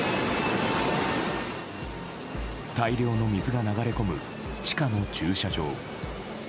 大量の水が流れ込む地下の駐車場。